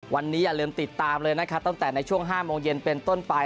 วันนี้อย่าลืมติดตามเลยนะครับตั้งแต่ในช่วง๕โมงเย็นเป็นต้นไป